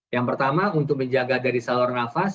yang pertama untuk menjaga dari saluran nafas